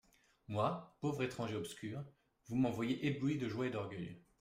Moi, pauvre étranger obscur, vous m'en voyez ébloui de joie et d'orgueil.